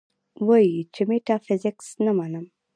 وې ئې چې ميټافزکس نۀ منم -